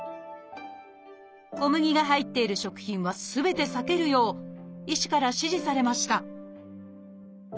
小麦が入っている食品はすべて避けるよう医師から指示されました